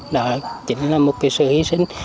đó chính là một sự hí sinh